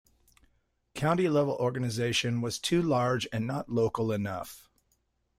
County level organization was too large and not local enough.